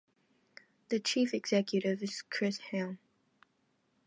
The Chief Executive is Chris Ham.